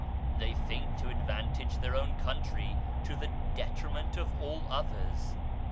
They think to advantage their own country to the detriment of all others.